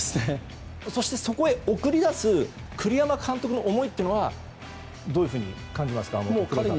そしてそこへ送り出す栗山監督の思いはどういうふうに感じますか？